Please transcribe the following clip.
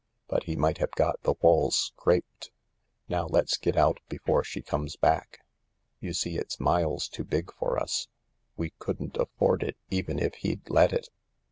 But he might have got the walls scraped. Now let's get out before she comes back. You see it 's miles too big for us — we couldn't afford it even if he'd let it.